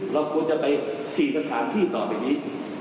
เราควรจะไป๔สถานที่ต่อไปนี้